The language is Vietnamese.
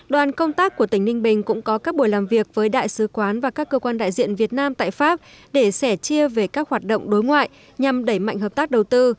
đoàn công tác của tỉnh ninh bình cũng có các buổi làm việc với đại sứ quán và các cơ quan đại diện việt nam tại pháp để sẻ chia về các hoạt động đối ngoại nhằm đẩy mạnh hợp tác đầu tư